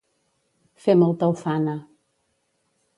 Fer molta ufana.